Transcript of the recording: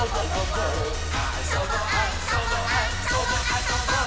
「そぼあそぼあそぼあそぼっ！」